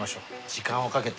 時間をかけて。